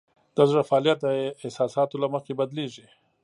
د زړه فعالیت د احساساتو له مخې بدلېږي.